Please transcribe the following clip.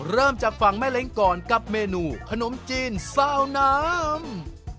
เริ่มจากฝั่งแม่เล้งก่อนกับเมนูขนมจีนซาวน้ำ